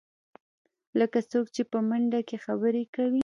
لکه څوک چې په منډه کې خبرې کوې.